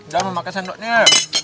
dan memakai sendoknya